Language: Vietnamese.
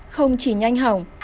không chỉ nhanh hỏng